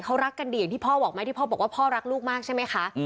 เขารักกันดีอย่างที่พ่อบอกไหมที่พ่อบอกว่าพ่อรักลูกมากใช่ไหมคะ